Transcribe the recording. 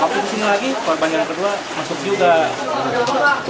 lalu disini lagi ke warbanjara kedua masuk juga